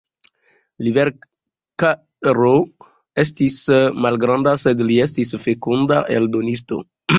Li verkaro estis malgranda sed li estis fekunda eldonisto.